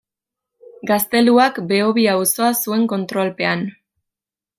Gazteluak Behobia auzoa zuen kontrolpean.